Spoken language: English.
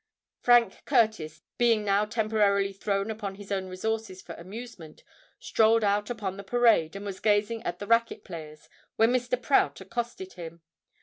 Frank Curtis, being now temporarily thrown upon his own resources for amusement, strolled out upon the parade, and was gazing at the racquet players, when Mr. Prout accosted him.